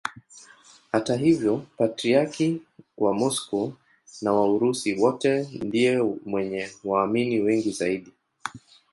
Hata hivyo Patriarki wa Moscow na wa Urusi wote ndiye mwenye waamini wengi zaidi.